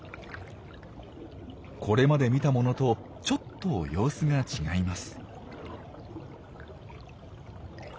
これまで見たものとちょっと様子が違います。